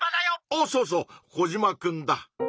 おおそうそうコジマくんだ。